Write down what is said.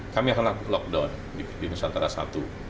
kami akan lakukan lockdown di gedung nusantara i